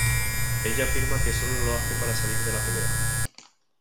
Ella afirma que sólo lo hace para salir de la pelea.